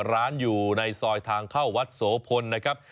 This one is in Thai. ร้านอยู่ในซอยทางเข้าวัดโสพลนะครับ